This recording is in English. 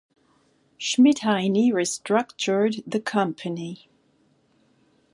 Schmidheiny restructured the company.